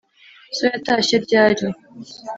So yatashye ryari